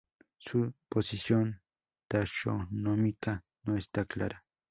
Su posición taxonómica no está clara.